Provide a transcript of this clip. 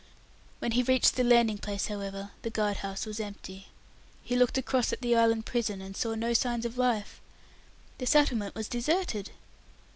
When he reached the landing place, however, the guard house was empty. He looked across at the island prison, and saw no sign of life. The settlement was deserted!